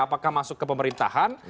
apakah masuk ke pemerintahan